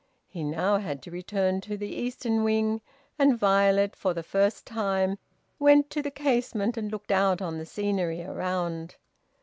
He now had to return to the eastern wing, and Violet, for the first time, went to the casement and looked out on the scenery around.